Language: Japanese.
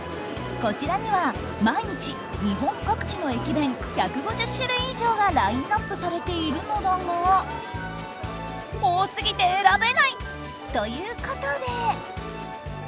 こちらには、毎日日本各地の駅弁１５０種類以上がラインアップされているのだが多すぎて選べない！ということで。